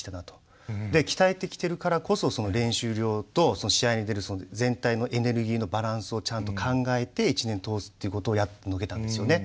鍛えてきているからこそ練習量と試合に出る全体のエネルギーのバランスをちゃんと考えて１年通すっていうことをやってのけたんですよね。